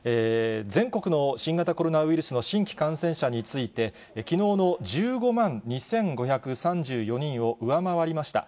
全国の新型コロナウイルスの新規感染者について、きのうの１５万２５３４人を上回りました。